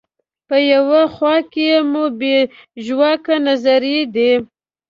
په یوه خوا کې مو بې ژواکه نظریې دي.